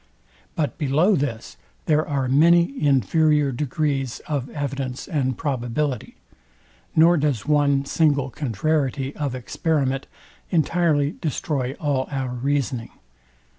But below this there are many inferior degrees of evidence and probability, nor does one single contrariety of experiment entirely destroy all our reasoning.